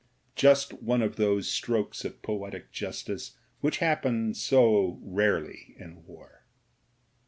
Just one of those strokes of poetic justice which happen so rarely in war.